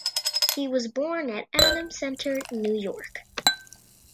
He was born at Adams Center, New York.